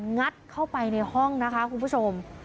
งัดเข้าไปในห้องนะคะคุณผู้ชม